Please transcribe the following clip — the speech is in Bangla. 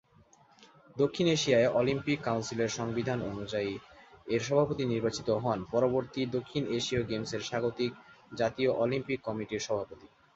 দক্ষিণ এশিয়া অলিম্পিক কাউন্সিলের সংবিধান অনুযায়ী এর সভাপতি নির্বাচিত হন পরবর্তী দক্ষিণ এশীয় গেমসের স্বাগতিক জাতীয় অলিম্পিক কমিটির সভাপতি।